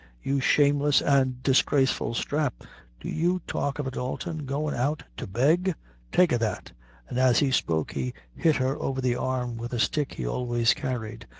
you shameless and disgraceful strap. Do you talk of a Dalton goin' out to bee? taka that!" And as he spoke, he hit her over the arm with a stick he always carried.